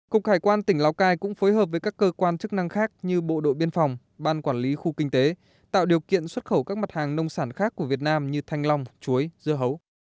cục hải quan tỉnh lào cai cũng phối hợp với các cơ quan chức năng khác như bộ đội biên phòng ban quản lý khu kinh tế tạo điều kiện xuất khẩu các mặt hàng nông sản khác của việt nam như thanh long chuối dưa hấu